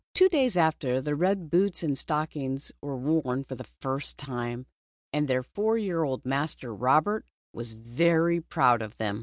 Two days after, the red boots and stockings were worn for the first time, and their four year old master Robert was very proud of them.